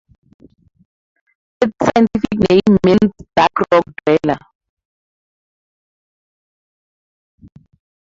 Its scientific name means "dark rock-dweller".